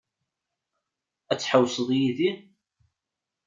Ad tḥewwseḍ yid-i?